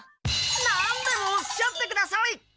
なんでもおっしゃってください！